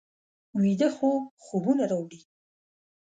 ویده خوب خوبونه راوړي